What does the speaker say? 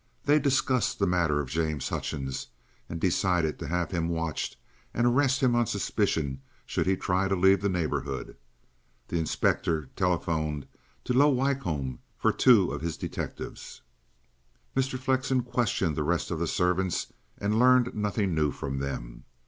They discussed the matter of James Hutchings, and decided to have him watched and arrest him on suspicion should he try to leave the neighbourhood. The inspector telephoned to Low Wycombe for two of his detectives. Mr. Flexen questioned the rest of the servants and learned nothing new from them.